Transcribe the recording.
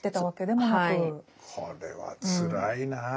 これはつらいなぁ。